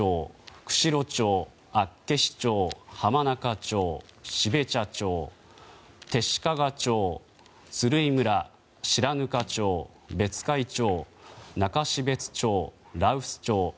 釧路町、厚岸町浜中町、標茶町弟子屈町、鶴居村、白糠町別海町、中標津町、羅臼町